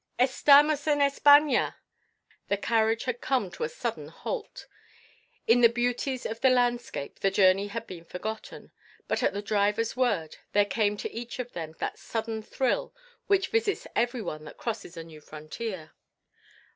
"Estamos en España!" The carriage had come to a sudden halt. In the beauties of the landscape the journey had been forgotten. But at the driver's word there came to each of them that sudden thrill which visits every one that crosses a new frontier.